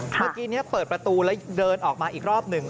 เมื่อกี้นี้เปิดประตูแล้วเดินออกมาอีกรอบหนึ่ง